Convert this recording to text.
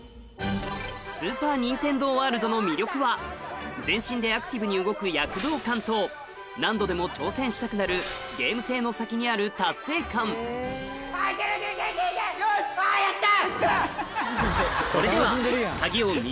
スーパー・ニンテンドー・ワールドの魅力は全身でアクティブに動く躍動感と何度でも挑戦したくなるゲーム性の先にあるよしいった！